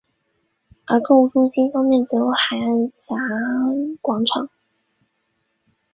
而购物中心方面则有海峡岸广场。